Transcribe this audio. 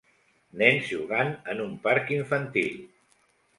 Nens jugant en un parc infantil.